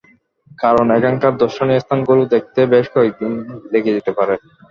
কারণ এখানকার দর্শনীয় স্থানগুলো দেখতে বেশ কয়েক দিন লেগে যেতে পারে।